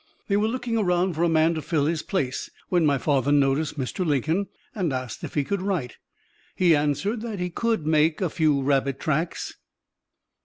They were looking around for a man to fill his place when my father noticed Mr. Lincoln and asked if he could write. He answered that he could 'make a few rabbit tracks.'"